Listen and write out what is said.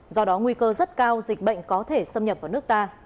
do đó nguy cơ rất cao dịch bệnh có thể xâm nhập vào nước ta